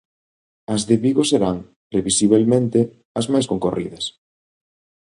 As de Vigo serán, previsibelmente, as máis concorridas.